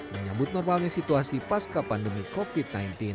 menyambut normalnya situasi pasca pandemi covid sembilan belas